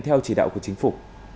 theo chỉ đạo của chính phủ